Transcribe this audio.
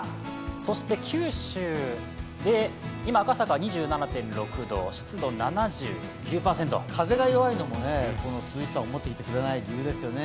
そして九州で今、赤坂２７．６度、風が弱いのも、この涼しさをもっていってくれない理由ですね。